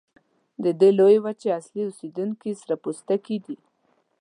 د دې لویې وچې اصلي اوسیدونکي سره پوستکي دي.